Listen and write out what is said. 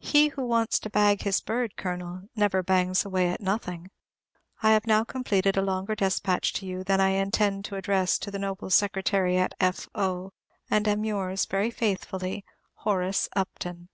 He who wants to bag his bird, Colonel, never bangs away at nothing. I have now completed a longer despatch to you than I intend to address to the Noble Secretary at F. O., and am yours, very faithfully, Horace Upton.